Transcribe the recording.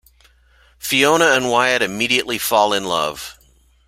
Fiona and Wyatt immediately fall in love.